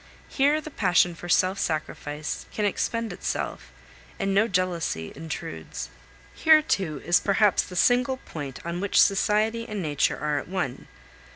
Here the passion for self sacrifice can expend itself, and no jealousy intrudes. Here, too, is perhaps the single point on which society and nature are at one.